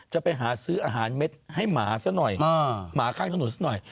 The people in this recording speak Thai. จะไปหาซื้ออาหารเม็ดให้หมาซะหน่อยหมาข้างถนนสักหน่อย